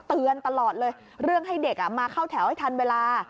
เตือนตลอดเลยเรื่องให้เด็กมาเข้าแถวให้ทันเวลา